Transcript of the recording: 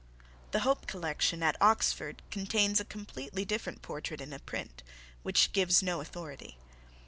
The Hope Collection at Oxford contains a completely different portrait in a print, which gives no authority.